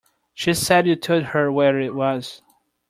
She said you told her where it was.